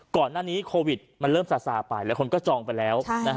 ก่อนหน้านี้โควิดมันเริ่มซาซาไปแล้วคนก็จองไปแล้ว